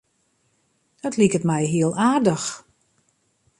It liket my hiel aardich.